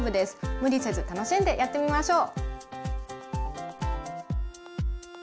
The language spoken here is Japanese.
無理せず楽しんでやってみましょう。